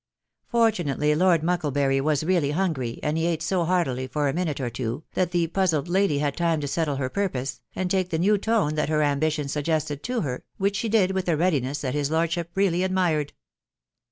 Fortunately Lord Mucklebury was really hungry, and he ate so heartily for a minute or two, that the puzzled lady had time to settle her purpose, and take the new tone that her am* bition suggested to her, which she did with a readiness that his lordship really admired.